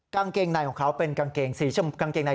กางเกงในของเขาเป็นกางเกงในสีชมพูนี่